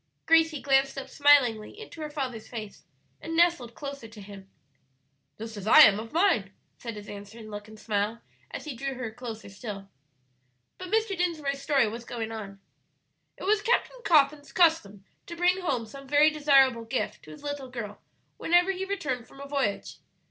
Gracie glanced up smilingly into her father's face and nestled closer to him. "Just as I am of mine," said his answering look and smile as he drew her closer still. But Mr. Dinsmore's story was going on. "It was Captain Coffin's custom to bring home some very desirable gift to his little girl whenever he returned from a voyage.